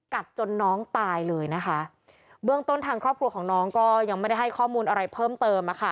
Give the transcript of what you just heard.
จนน้องตายเลยนะคะเบื้องต้นทางครอบครัวของน้องก็ยังไม่ได้ให้ข้อมูลอะไรเพิ่มเติมอ่ะค่ะ